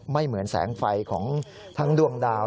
ไม่เหมือนแสงไฟของทั้งดวงดาว